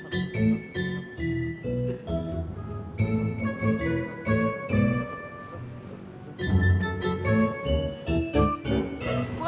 sup sup sup